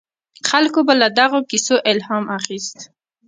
خلکو به له دغو کیسو الهام اخیست.